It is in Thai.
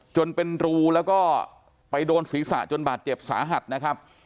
จนเป็นรูแล้วก็ไปโดนศีรษะจนบาดเจ็บสาหัสนะครับ